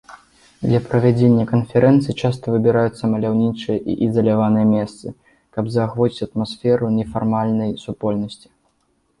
Для правядзення канферэнцый часта выбіраюцца маляўнічыя і ізаляваныя месцы, каб заахвоціць атмасферу нефармальнай супольнасці.